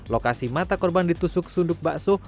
lokasi mata korban ditusuk sunduk bakso